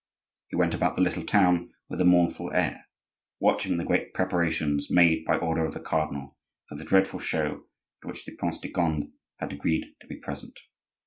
He went about the little town with a mournful air, watching the great preparations made by order of the cardinal for the dreadful show at which the Prince de Conde had agreed to be present.